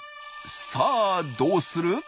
さあどうする？